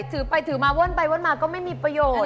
ถือไปถือมาวนไปวนมาก็ไม่มีประโยชน์